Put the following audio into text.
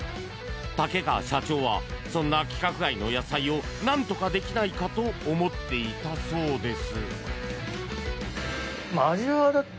竹川社長はそんな規格外の野菜を何とかできないかと思っていたそうです。